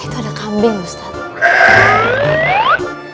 itu ada kambing ustadz